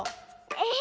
え。